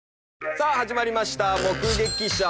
さあ始まりました『目ゲキシャ』。